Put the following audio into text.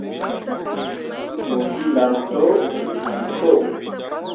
Mo gǝlaŋ to deb ki ko.